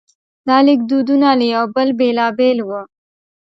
دا لیکدودونه له یو بل بېلابېل وو.